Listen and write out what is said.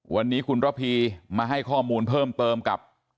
วันนี้คุณระพีมาให้ข้อมูลเพิ่มเติมกับ